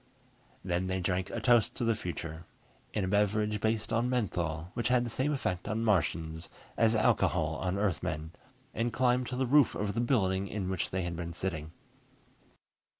Then they drank a toast to the future in a beverage based on menthol, which had the same effect on Martians as alcohol on Earthmen and climbed to the roof of the building in which they had been sitting.